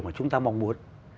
mà chúng ta mong muốn